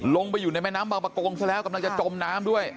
ลงไปอยู่ในแม่น้ำบางประกงซะแล้วกำลังจะจมน้ำด้วย